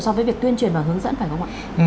so với việc tuyên truyền và hướng dẫn phải không ạ